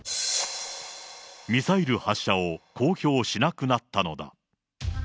ミサイル発射を公表しなくなったのだ。